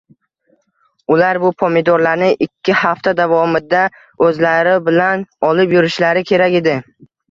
Ular bu pomidorlarni ikki hafta davomida o‘zlari bilan olib yurishlari kerak edi